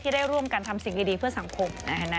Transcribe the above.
ได้ร่วมกันทำสิ่งดีเพื่อสังคม